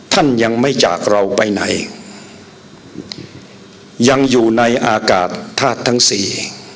ท่านยังไม่จากเราไปไหนยังอยู่ในอากาศธาตุทั้งสี่